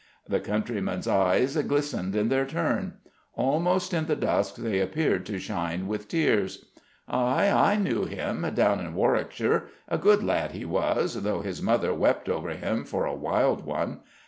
The countryman's eyes glistened in their turn: almost in the dusk they appeared to shine with tears. "Ay, I knew him, down in Warwickshire: a good lad he was, though his mother wept over him for a wild one.